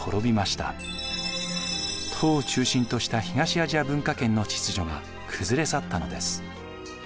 唐を中心とした東アジア文化圏の秩序が崩れ去ったのです。